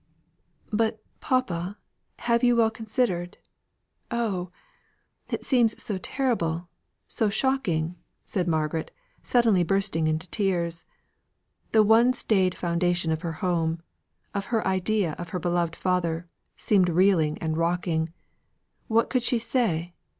"But, papa, have you well considered? Oh! it seems so terrible, so shocking," said Margaret, suddenly bursting into tears. The one staid foundation of her home, of her idea of her beloved father, seemed reeling and rocking. What could she say?